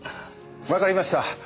わかりました。